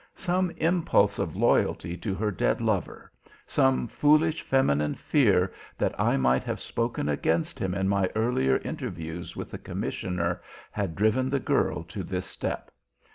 Some impulse of loyalty to her dead lover, some foolish feminine fear that I might have spoken against him in my earlier interviews with the commissioner had driven the girl to this step.